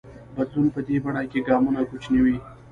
بدلون په دې بڼه کې ګامونه کوچني وي.